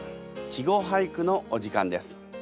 「稚語俳句」のお時間です。